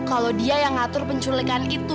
kalau dia yang ngatur penculikan itu